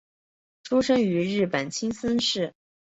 出身于日本青森县。